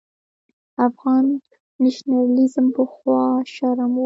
افغان نېشنلېزم پخوا شرم و.